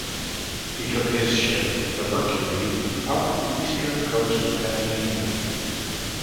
He took his ship, the "Mercury", up the eastern coast of Tasmania.